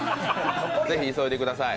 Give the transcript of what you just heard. ぜひ急いでください。